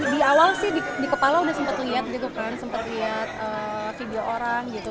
di awal sih di kepala udah sempat lihat gitu kan sempat lihat video orang gitu